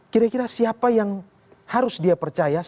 kira kira siapa yang harus dia percaya